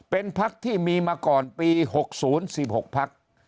เป็นพักที่มีมาก่อนปี๖๐๑๖พัก